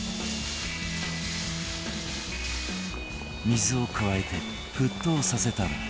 水を加えて沸騰させたら